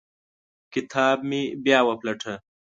کتاب مې بیا وپلټه.